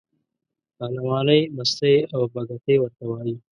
پهلوانۍ، مستۍ او بګتۍ ورته وایي.